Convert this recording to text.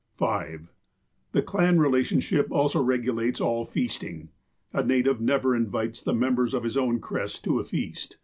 " (5) The clan relationship also regulates all feasting. A native never invites the members of his own crest to a feast.